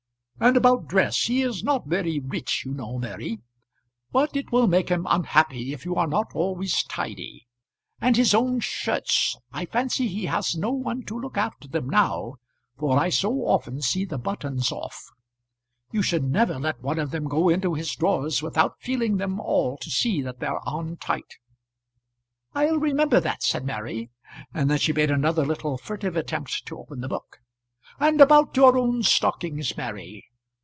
"And about dress. He is not very rich you know, Mary; but it will make him unhappy if you are not always tidy. And his own shirts I fancy he has no one to look after them now, for I so often see the buttons off. You should never let one of them go into his drawers without feeling them all to see that they're on tight." "I'll remember that," said Mary, and then she made another little furtive attempt to open the book. "And about your own stockings, Mary.